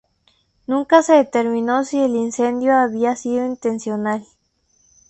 Nunca se determinó si el incendio había sido intencional.